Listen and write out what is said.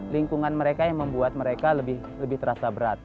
lingkungan mereka yang membuat mereka lebih terasa berat